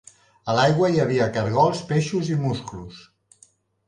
A l'aigua hi havia cargols, peixos i musclos.